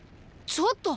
ちょっと！